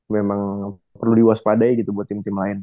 memang perlu diwaspadai gitu buat tim tim lain